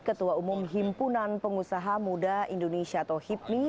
ketua umum himpunan pengusaha muda indonesia atau hipmi